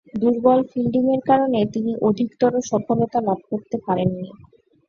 দূর্বল ফিল্ডিংয়ের কারণে তিনি অধিকতর সফলতা লাভ করতে পারেননি।